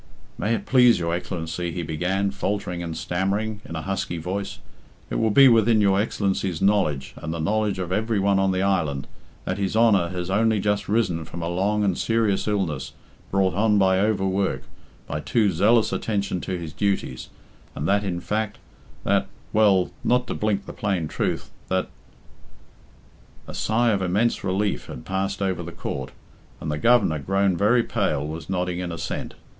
"May it please your Excellency," he began, faltering and stammering, in a husky voice, "it will be within your Excellency's knowledge, and the knowledge of every one on the island, that his Honour has only just risen from a long and serious illness, brought on by overwork, by too zealous attention to his duties, and that in fact, that well, not to blink the plain truth, that " A sigh of immense relief had passed over the court, and the Governor, grown very pale, was nodding in assent.